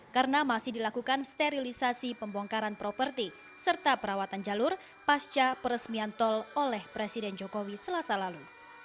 karena masih dilakukan sterilisasi pembongkaran properti serta perawatan jalur pasca peresmian tol oleh presiden jokowi selasa lalu